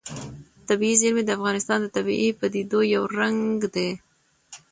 طبیعي زیرمې د افغانستان د طبیعي پدیدو یو رنګ دی.